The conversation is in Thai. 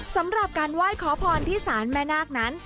สำหรับการไหว้ขอพรที่ศาลแม่นาคนั้น